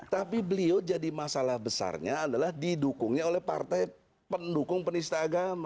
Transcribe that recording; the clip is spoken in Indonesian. tapi beliau jadi masalah besarnya adalah didukungnya oleh partai pendukung penista agama